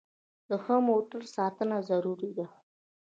د ښه موټر ساتنه ضروري ده.